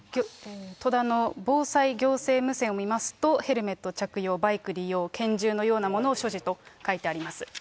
戸田の防災行政無線を見ますと、ヘルメット着用、バイク利用、拳銃のようなものを所持と書いてあります。